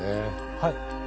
はい。